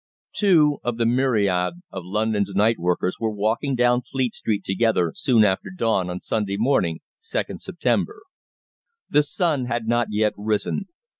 Two of the myriad of London's nightworkers were walking down Fleet Street together soon after dawn on Sunday morning, 2nd September. The sun had not yet risen.